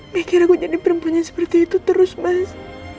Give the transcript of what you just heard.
mikir aku jadi perempuan yang seperti itu terus mas